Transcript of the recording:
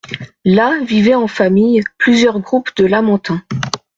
Là vivaient en famille plusieurs groupes de lamantins.